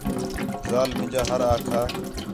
ذال مینجا ہر آکھا